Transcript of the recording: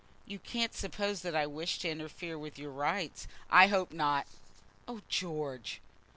"You can't suppose that I wish to interfere with your rights?" "I hope not." "Oh, George!"